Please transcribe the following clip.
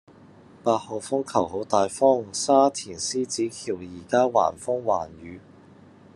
八號風球好大風，沙田獅子橋依家橫風橫雨